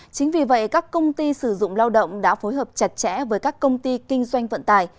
chính vì vậy các công ty sử dụng lao động đã phối hợp chặt chẽ với các công ty kinh doanh vận tải